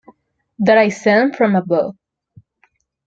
That I sent from above.